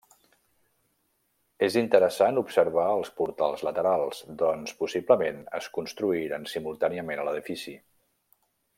És interessant observar els portals laterals, doncs, possiblement es construïren simultàniament a l'edifici.